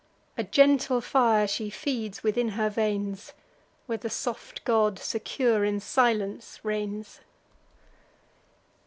A gentle fire she feeds within her veins, Where the soft god secure in silence reigns.